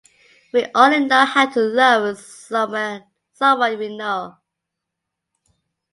We only know how to love someone we know.